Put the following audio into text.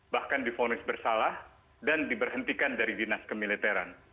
bahkan difonis bersalah dan diberhentikan dari dinas kemiliteran